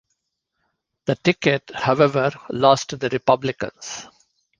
The ticket, however, lost to the Republicans.